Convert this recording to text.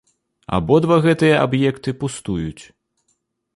Абодва гэтыя аб'екты пустуюць.